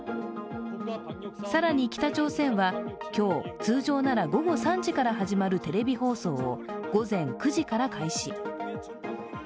更に、北朝鮮は今日通常なら午後３時から始まるテレビ放送を午前９時から開始。